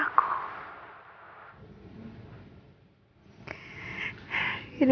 aku mau berubah